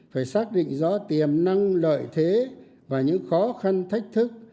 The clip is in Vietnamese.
phải xác định rõ tiềm năng lợi thế và những khó khăn thách thức